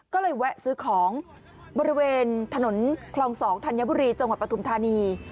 ก็เลยแวะซื้อของบริเวณถนนคลอง๒ธัญบุรีจังหวัดปฐุมธานี